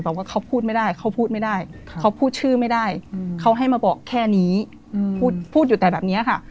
ว่าเขาพูดไม่ได้เขาพูดไม่ได้เขาพูดชื่อไม่ได้เขาให้มาบอกแค่นี้พูดอยู่แต่แบบนี้ค่ะ